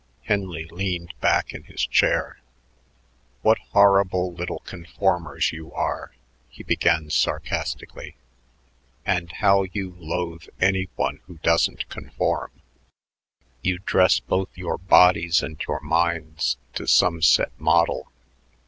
Henley leaned back in his chair. "What horrible little conformers you are," he began sarcastically, "and how you loathe any one who doesn't conform! You dress both your bodies and your minds to some set model.